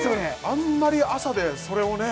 あんまり朝でそれをね